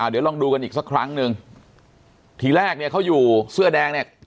เดี๋ยวลองดูกันอีกสักครั้งหนึ่งทีแรกเนี่ยเขาอยู่เสื้อแดงเนี่ย